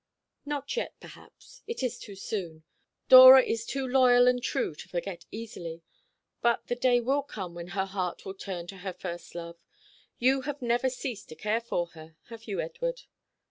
"Not yet, perhaps. It is too soon. Dora is too loyal and true to forget easily. But the day will come when her heart will turn to her first love. You have never ceased to care for her, have you, Edward?"